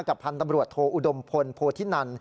พันธุ์ตำรวจโทอุดมพลโพธินัน